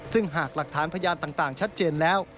ซึ่งหากหลักฐานพยานต่างชัดเจนแล้ว